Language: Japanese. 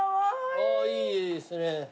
いいですね。